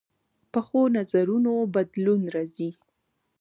پخو نظرونو بدلون راځي